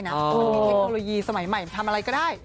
มันมีเทคโนโลยีสมัยใหม่ทำอะไรก็ได้